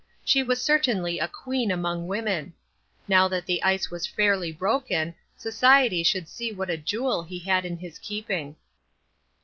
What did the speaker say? She was certainly a queen among women. Now that the ice was fairly broken, society should see what a jewel he had in his keeping.